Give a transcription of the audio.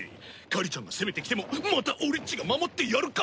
カリちゃんが攻めてきてもまた俺っちが守ってやるからよ！